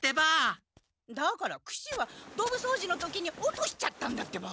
だからクシはどぶ掃除の時に落としちゃったんだってば！